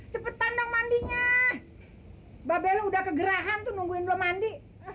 cepetan dong mandinya babel udah kegerahan tuh nungguin belum mandi